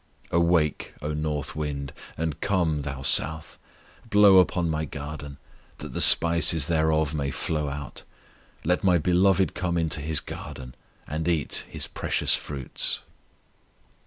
Awake, O north wind; and come, thou south; Blow upon my garden, that the spices thereof may flow out. Let my Beloved come into His garden, And eat His precious fruits.